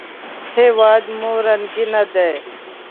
هېواد مو رنګین دی